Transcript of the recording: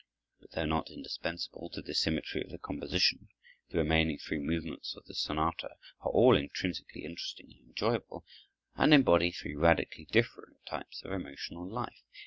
But though not indispensable to the symmetry of the composition, the remaining three movements of the sonata are all intrinsically interesting and enjoyable, and embody three radically differing types of emotional life.